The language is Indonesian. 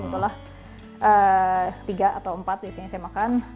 itulah tiga atau empat biasanya saya makan